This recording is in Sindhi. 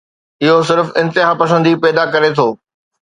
اهو صرف انتهاپسندي پيدا ڪري ٿو.